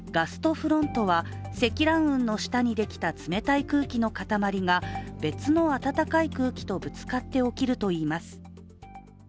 フロントは積乱雲の下にできた冷たい空気の塊が別の暖かい空気とぶつかって起きるといいます。